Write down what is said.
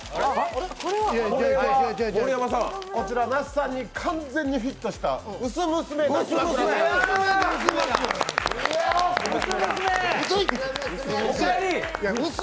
こちら那須さんに完全にフィットした薄娘抱き枕です！